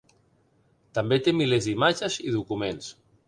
També té milers d'imatges i documents.